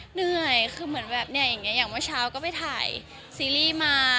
เหนื่อยคือเหมือนแบบเนี่ยอย่างนี้อย่างเมื่อเช้าก็ไปถ่ายซีรีส์มา